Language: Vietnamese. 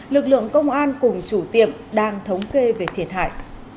lực lượng công an cùng chủ tiệm đang thống kê về thiệt hại